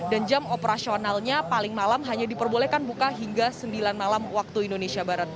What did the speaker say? dan jam operasionalnya paling malam hanya diperbolehkan buka hingga sembilan malam waktu indonesia barat